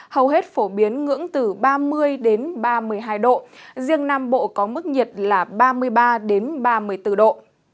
hầu hết phổ biến ngưỡng từ ba mươi ba mươi hai độ riêng nam bộ có mức nhiệt là ba mươi ba ba mươi bốn độ